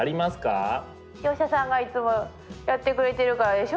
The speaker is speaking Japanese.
業者さんがいつもやってくれてるからでしょ？